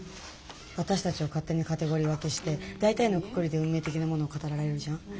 私たちを勝手にカテゴリー分けして大体のくくりで運命的なものを語られるじゃん？